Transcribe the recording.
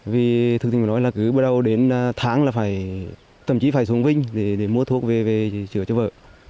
vì thực tế mình nói là cứ bắt đầu đến tháng là phải tậm chí phải xuống vinh để mua thuốc về chữa cho vợ